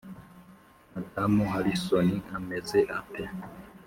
madamu harrison ameze ate?